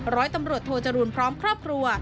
ร้อยตำรวจโทจรูลพร้อมครอบครัว